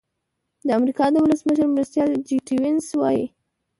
د امریکا د ولسمشر مرستیال جي ډي وینس وايي.